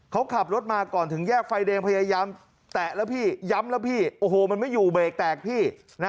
เขาขับรถมาก่อนถึงแยกไฟแดงพยายามแตะแล้วพี่ย้ำแล้วพี่โอ้โหมันไม่อยู่เบรกแตกพี่นะ